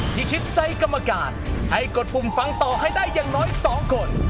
คิดใจกรรมการให้กดปุ่มฟังต่อให้ได้อย่างน้อย๒คน